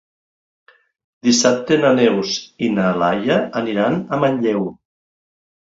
Dissabte na Neus i na Laia aniran a Manlleu.